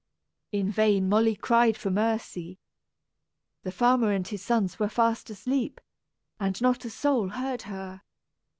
In vain Molly cried for mercy. The farmer and his sons were fast asleep, and not a soul heard her.